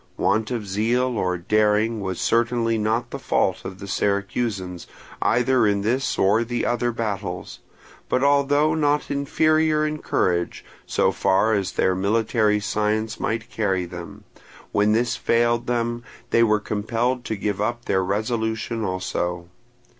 Want of zeal or daring was certainly not the fault of the Syracusans, either in this or the other battles, but although not inferior in courage, so far as their military science might carry them, when this failed them they were compelled to give up their resolution also.